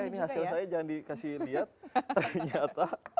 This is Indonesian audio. maaf ya ini hasil saya jangan dikasih lihat ternyata